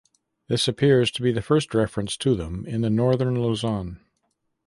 This appears to be the first reference to them in northern Luzon.